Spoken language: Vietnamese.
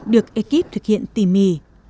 được ekip thực hiện tỉ mì